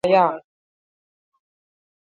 Narrasti berezia Kretazeo esan nahi du.